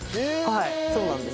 はいそうなんです。